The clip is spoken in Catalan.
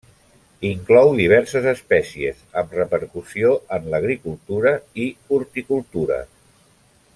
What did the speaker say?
Inclou diverses espècies, amb repercussió en l'agricultura i horticultora.